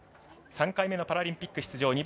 ３回目のパラリンピック出場。